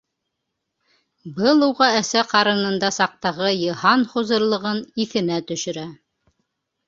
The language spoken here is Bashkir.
Был уға әсә ҡарынында саҡтағы «йыһан хозурлығы»н иҫенә төшөрә.